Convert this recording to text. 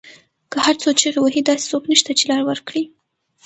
که هر څو چیغې وهي داسې څوک نشته، چې لار ورکړی